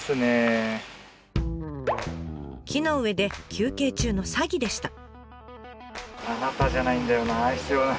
木の上で休憩中のサギでした。